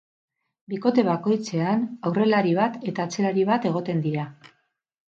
Bikote bakoitzean aurrelari bat eta atzelari bat egoten dira.